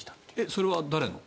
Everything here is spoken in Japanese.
それは誰の？